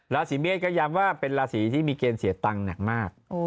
ราศีเมษก็ย้ำว่าเป็นราศีที่มีเกณฑ์เสียตังค์หนักมาก